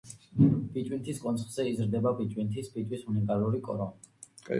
ბიჭვინთის კონცხზე იზრდება ბიჭვინთის ფიჭვის უნიკალური კორომი.